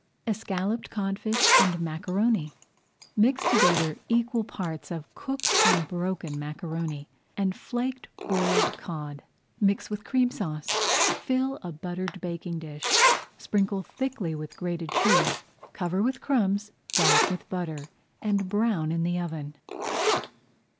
ESCALLOPED CODFISH AND MACARONI Mix together equal parts of cooked and broken macaroni and flaked boiled cod. Mix with Cream Sauce. Fill a buttered baking dish, [Page 100] sprinkle thickly with grated cheese, cover with crumbs, dot with butter, and brown in the oven.